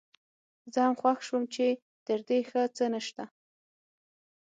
زه هم خوښ شوم چې تر دې ښه څه نشته.